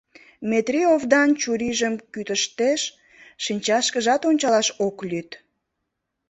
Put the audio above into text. Метрий овдан чурийжым кӱтыштеш, шинчашкыжат ончалаш ок лӱд.